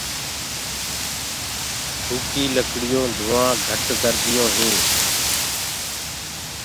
سوڪيٚ لڪڙيونٚ ڌوآنٚ ڀوت گھٽ ڪرديونٚ هينٚ۔